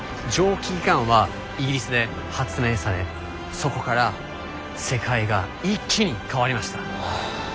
蒸気機関はイギリスで発明されそこから世界が一気に変わりました。